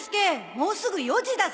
もうすぐ４時だぞ。